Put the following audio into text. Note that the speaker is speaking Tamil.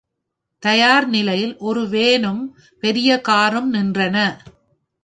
தயார் நிலையில் ஒரு வேனும், பெரிய காரும் நின் றன.